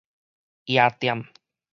夜店